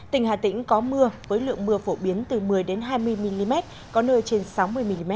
tỉnh hà tĩnh có mưa với lượng mưa phổ biến từ một mươi hai mươi mm có nơi trên sáu mươi mm